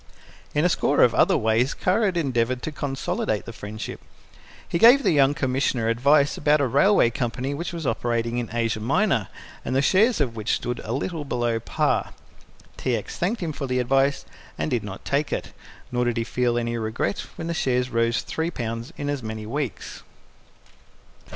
In a score of other ways Kara had endeavoured to consolidate the friendship. He gave the young Commissioner advice about a railway company which was operating in Asia Minor, and the shares of which stood a little below par. T. X. thanked him for the advice, and did not take it, nor did he feel any regret when the shares rose 3 pounds in as many weeks.